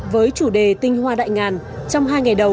với chủ đề tinh hoa đại ngàn trong hai ngày đầu